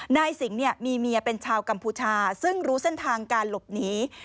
นายสิงห์มีเมียเป็นชาวกัมพูชาซึ่งรู้เส้นทางการหลบหนี